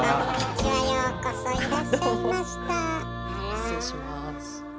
失礼します。